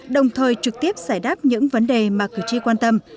đồng thời trực tiếp giải đáp những vấn đề mà cử tri quan tâm